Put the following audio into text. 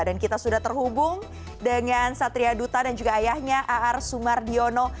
dan kita sudah terhubung dengan satria duta dan juga ayahnya aar sumardiono